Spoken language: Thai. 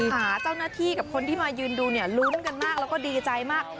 หาเจ้าหน้าที่กับคนที่มายืนดูเนี่ยลุ้นกันมากแล้วก็ดีใจมาก